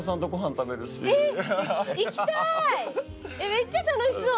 めっちゃ楽しそう！